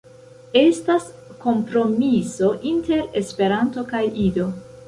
Estas kompromiso inter Esperanto kaj Ido.